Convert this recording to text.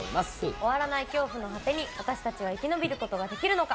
終わらない恐怖の果てに、私たちは生き延びることができるのか。